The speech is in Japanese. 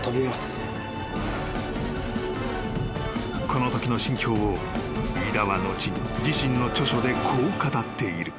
［このときの心境を飯田は後に自身の著書でこう語っている］